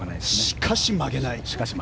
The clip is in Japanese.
しかし曲げない。